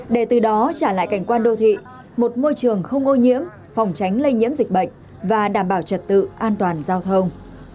để từ đó trả lại cảnh quan đô thị một môi trường không ô nhiễm phòng tránh lây nhiễm dịch bệnh và đảm bảo trật tự an toàn giao thông